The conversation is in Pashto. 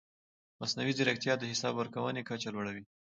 مصنوعي ځیرکتیا د حساب ورکونې کچه لوړوي.